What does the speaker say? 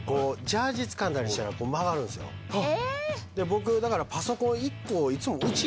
僕だから。